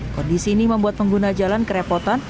kondisi ini membuat pengguna jalan kerepotan